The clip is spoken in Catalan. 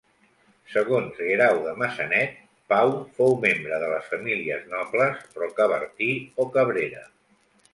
Segons Guerau de Maçanet, Pau fou membre de les famílies nobles Rocabertí o Cabrera.